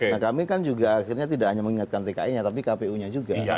nah kami kan juga akhirnya tidak hanya mengingatkan tki nya tapi kpu nya juga